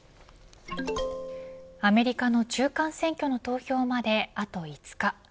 アメリカの中間選挙の投票まであと５日。